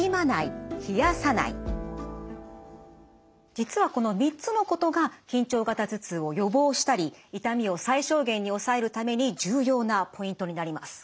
実はこの３つのことが緊張型頭痛を予防したり痛みを最小限に抑えるために重要なポイントになります。